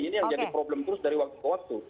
ini yang jadi problem terus dari waktu ke waktu